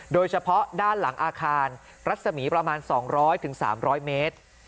โดยเฉพาะด้านหลังอาคารรัศมีประมาณ๒๐๐๓๐๐เมตร